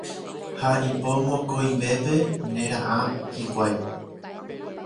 Ha ipo mokõivépe nera'ã hikuái